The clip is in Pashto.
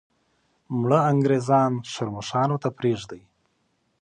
مړه انګریزان ښرموښانو ته پرېږده.